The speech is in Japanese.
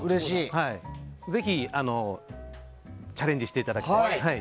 ぜひチャレンジしていただきたいです。